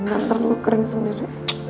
nanti gue kering sendiri